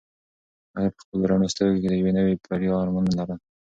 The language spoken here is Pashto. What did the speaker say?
هغې په خپلو رڼو سترګو کې د یوې نوې بریا ارمانونه لرل.